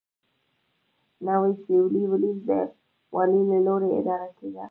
نوی سوېلي ویلز د والي له لوري اداره کېده.